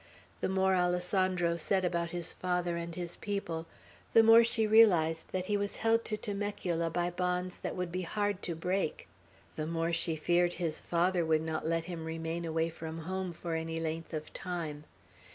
The more Alessandro said about his father and his people, the more she realized that he was held to Temecula by bonds that would be hard to break, the more she feared his father would not let him remain away from home for any length of time.